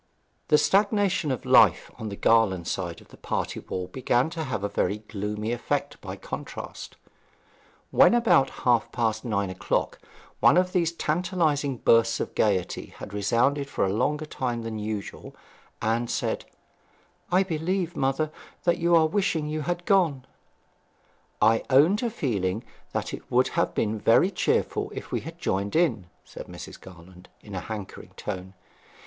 The stagnation of life on the Garland side of the party wall began to have a very gloomy effect by the contrast. When, about half past nine o'clock, one of these tantalizing bursts of gaiety had resounded for a longer time than usual, Anne said, 'I believe, mother, that you are wishing you had gone.' 'I own to feeling that it would have been very cheerful if we had joined in,' said Mrs. Garland, in a hankering tone.